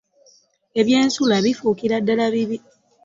Ebyensula bifuukira ddala biba.